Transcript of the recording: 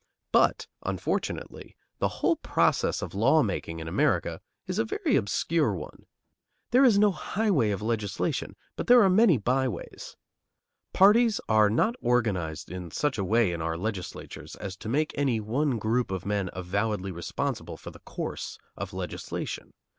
But, unfortunately, the whole process of law making in America is a very obscure one. There is no highway of legislation, but there are many by ways. Parties are not organized in such a way in our legislatures as to make any one group of men avowedly responsible for the course of legislation.